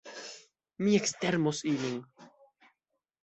Mi ekstermos ilin!